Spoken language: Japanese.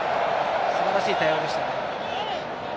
素晴らしい対応でしたね。